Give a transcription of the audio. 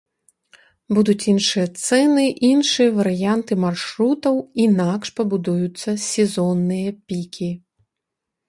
Будуць іншыя цэны, іншыя варыянты маршрутаў, інакш пабудуюцца сезонныя пікі.